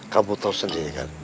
kamu tau sendiri kan